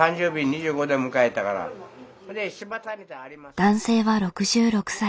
男性は６６歳。